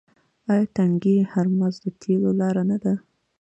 آیا تنګی هرمز د تیلو لاره نه ده؟